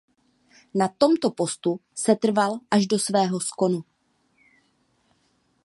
Na tomto postu setrval až do svého skonu.